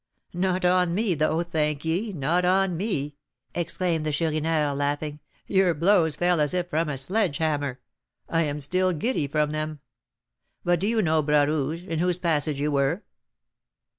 "Not on me, though, thank ye, not on me," exclaimed the Chourineur, laughing; "your blows fell as if from a sledge hammer; I am still giddy from them. But do you know Bras Rouge, in whose passage you were?"